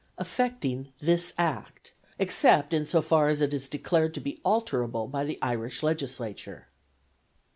Affecting this Act, except in so far as it is declared to be alterable by the Irish Legislature."